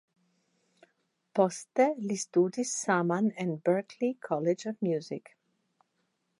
Poste li ŝtudis saman en "Berkelee College of Music".